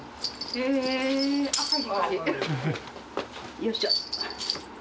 よいしょ。